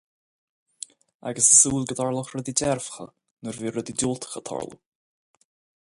Agus ag súil go dtarlódh rudaí dearfacha nuair a bhí rudaí diúltacha ag tarlú.